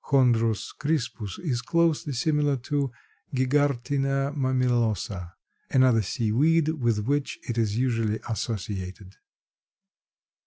Chondrus crispus is closely similar to Gigartina mamillosa, another sea weed, with which it is usually associated.